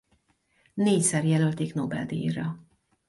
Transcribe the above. Négyszer jelölték Nobel-díjra.